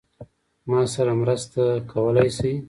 ما سره مرسته کولای شې؟